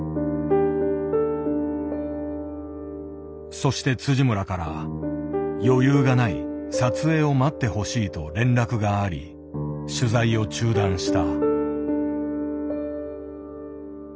そして村から「余裕がない撮影を待ってほしい」と連絡があり取材を中断した。